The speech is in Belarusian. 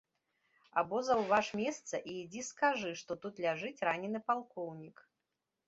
Або заўваж месца і ідзі скажы, што тут ляжыць ранены палкоўнік.